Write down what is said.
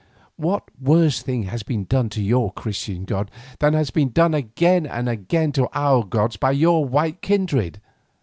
What worse thing has been done to your Christian God than has been done again and again to our gods by your white kindred?